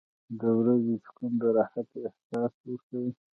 • د ورځې سکون د راحت احساس ورکوي.